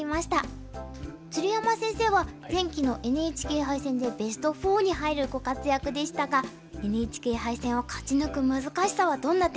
鶴山先生は前期のＮＨＫ杯戦でベスト４に入るご活躍でしたがＮＨＫ杯戦を勝ち抜く難しさはどんな点でしょうか？